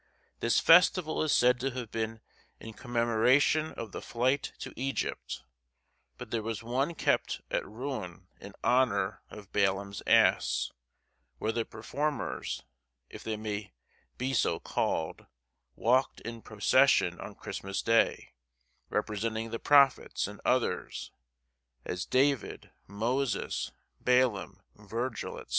This festival is said to have been in commemoration of the flight to Egypt; but there was one kept at Rouen in honour of Balaam's ass, where the performers, if they may be so called, walked in procession on Christmas Day, representing the prophets and others, as David, Moses, Balaam, Virgil, &c.